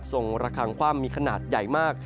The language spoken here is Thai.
ส่งระคางความมีขนาดใหญ่มาก